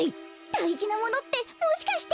だいじなものってもしかして。